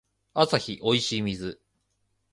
アサヒおいしい水